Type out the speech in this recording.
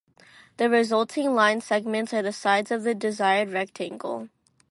The resulting line segments are the sides of the desired rectangle.